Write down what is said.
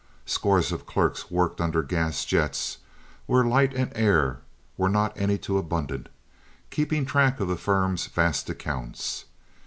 Scores of clerks worked under gas jets, where light and air were not any too abundant, keeping track of the firm's vast accounts.